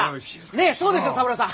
ねえそうでしょう三郎さん！